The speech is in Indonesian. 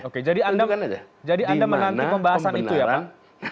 oke jadi anda menanti pembahasan itu ya pak